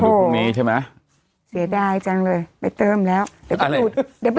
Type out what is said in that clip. พรุ่งนี้ใช่ไหมเสียดายจังเลยไปเติมแล้วเดี๋ยวไปดูด